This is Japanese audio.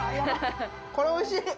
これ、おいしい。